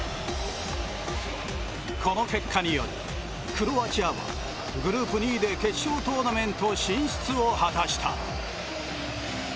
この結果によりクロアチアはグループ２位で決勝トーナメント進出を果たした。